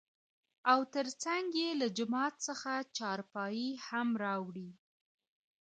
او تر څنګ يې له جومات څخه چارپايي هم راوړى .